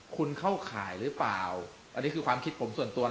คุณเข้าข่ายหรือเปล่าอันนี้คือความคิดผมส่วนตัว